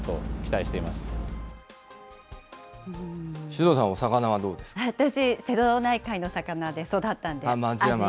首藤さん、私、瀬戸内海の魚で育ったんで。